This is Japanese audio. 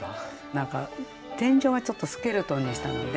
何か天井がちょっとスケルトンにしたので。